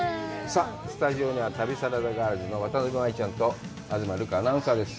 さあ、スタジオには旅サラダガールズの渡辺舞ちゃんと東留伽アナウンサーです。